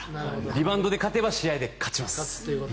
リバウンドで勝てば試合で勝ちます。